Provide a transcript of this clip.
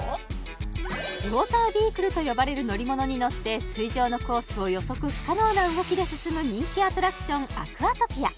ウォータービークルと呼ばれる乗り物に乗って水上のコースを予測不可能な動きで進む人気アトラクションアクアトピア